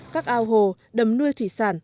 các ao hồ đầm nuôi thủy sản